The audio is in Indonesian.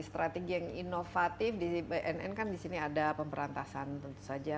strategi yang inovatif di bnn kan di sini ada pemberantasan tentu saja